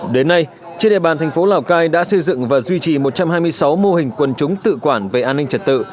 đến nay trên địa bàn thành phố lào cai đã xây dựng và duy trì một trăm hai mươi sáu mô hình quân chúng tự quản về an ninh trật tự